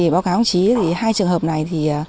báo cáo ông chí hai trường hợp này